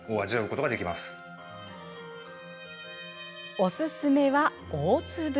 おすすめは、大粒。